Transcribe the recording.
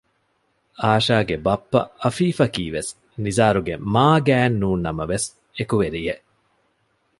އާޝާގެ ބައްޕަ އަފީފަކީވެސް ނިޒާރުގެ މާގާތް ނޫންނަމަވެސް އެކުވެރިއެއް